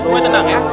semuanya tenang ya